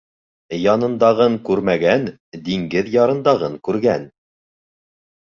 Янындағын күрмәгән, диңгеҙ ярындағын күргән.